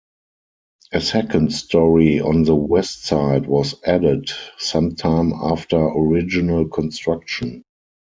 A second story on the west side was added some time after original construction.